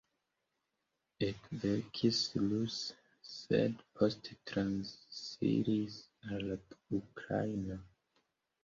Ekverkis ruse, sed poste transiris al la ukraina.